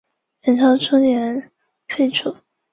元朝初年废除。